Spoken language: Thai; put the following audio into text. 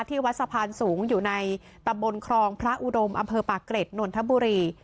ที่วัดสะพานสูงอยู่ในตำบลครองพระอุดมอำเภอปากเกร็ดนนทบุรี